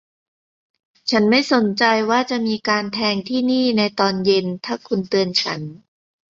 ฉันไม่สนใจว่าจะมีการแทงที่นี่ในตอนเย็นถ้าคุณเตือนฉัน